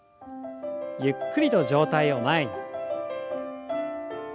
ゆっくりと上体を前に。